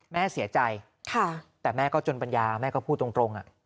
แม่เสียใจแต่แม่ก็จนปัญญาแม่ก็พูดตรง